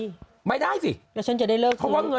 ไม่ได้สิเพราะว่าเงินหัวแล้วฉันจะได้เลิกคือ